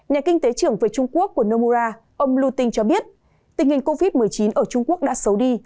nhà kinh tế trưởng về trung quốc của nomura ông lutin cho biết tình hình covid một mươi chín ở trung quốc đã xấu đi